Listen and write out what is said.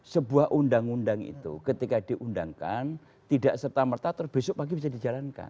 sebuah undang undang itu ketika diundangkan tidak serta merta terbesok pagi bisa dijalankan